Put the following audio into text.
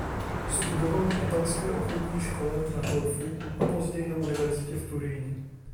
Studoval na italské obchodní škole na Korfu a později na univerzitě v Turíně.